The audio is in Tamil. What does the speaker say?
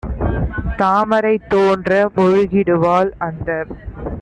தாமரை தோன்ற முழுகிடுவாள்! - அந்தக்